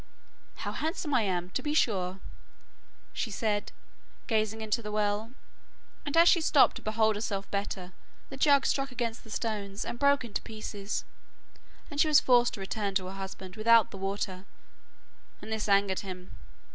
'How handsome I am, to be sure,' said she, gazing into the well, and as she stopped to behold herself better, the jug struck against the stones and broke in pieces, and she was forced to return to her husband without the water, and this angered him.